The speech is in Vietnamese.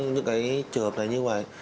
những cái trợ hợp này như vậy